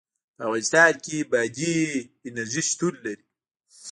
په افغانستان کې بادي انرژي شتون لري.